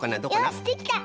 よしできた！